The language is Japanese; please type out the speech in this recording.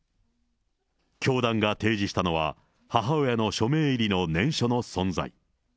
教団が提示したのは、母親の署名入りの念書の存在。